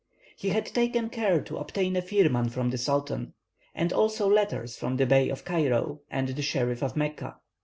He had taken care to obtain a firman from the Sultan, and also letters from the Bey of Cairo, and the Sheriff of Mecca.